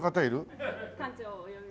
館長をお呼びして。